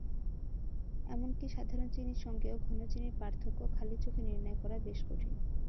এমনকি সাধারণ চিনির সঙ্গেও ঘনচিনির পার্থক্য খালি চোখে নির্ণয় করা বেশ কঠিন।